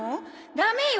ダメよ。